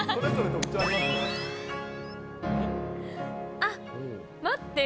あっ、待って。